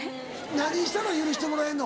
何したら許してもらえるの？